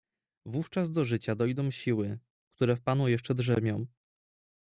"Wówczas do życia dojdą siły, które w panu jeszcze drzemią."